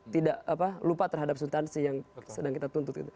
tidak lupa terhadap subtansi yang sedang kita tuntut